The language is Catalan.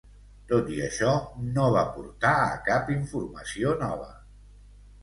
Tot i això, no va portar a cap informació nova.